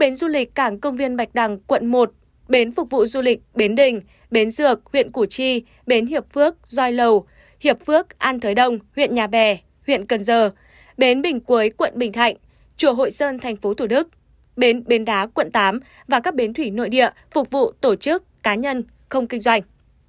bến du lịch cảng công viên bạch đằng quận một bến phục vụ du lịch bến đình bến dược huyện củ chi bến hiệp phước doi lầu hiệp phước an thới đông huyện nhà bè huyện cần giờ bến bình quấy quận bình thạnh chùa hội sơn tp thủ đức bến bến đá quận tám và các bến thủy nội địa phục vụ tổ chức cá nhân không kinh doanh